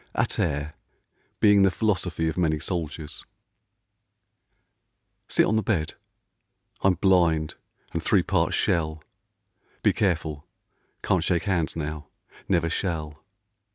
A TERRE. (Being the philosophy of many soldiers). SIT on the bed, I'm blind, and three parts shell, Be careful ; can't shake hands now ; never shall.